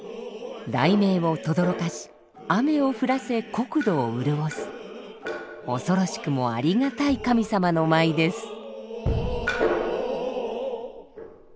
雷鳴をとどろかし雨を降らせ国土を潤す恐ろしくもありがたい神様の舞です。